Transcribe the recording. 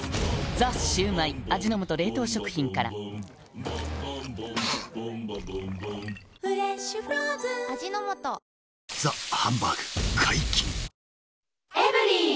「ザ★シュウマイ」味の素冷凍食品から「ザ★ハンバーグ」解禁